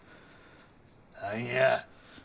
・何や？